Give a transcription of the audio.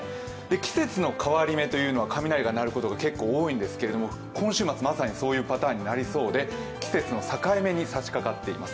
季節の変わり目は雷が鳴ることが結構多いんですけれども、今週末、まさにそういうパターンになりそうで季節の境目にさしかかっています。